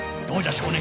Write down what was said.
少年。